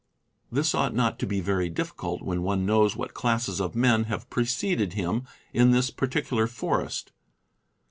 This ought not to be very difficult when one knows what classes of men have preceded him in this particular forest.